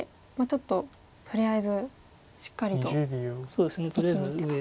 ちょっととりあえずしっかりと生きにいってと。